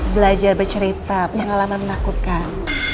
belajar bercerita pengalaman menakutkan